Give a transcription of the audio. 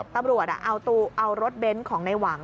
ตำรวจเอารถเบนท์ของในหวัง